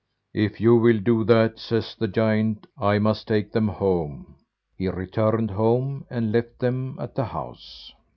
"If you will do that," says the giant, "I must take them home." He returned home and left them at the house.